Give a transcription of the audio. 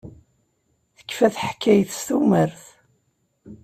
Tekfa teḥkayt s tumert.